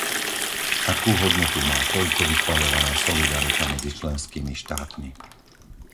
Akú hodnotu má toľko vychvaľovaná solidarita medzi členskými štátmi?